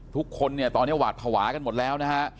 ทุกคนเนี่ยตอนนี้หวาดภาวะกันหมดแล้วนะฮะ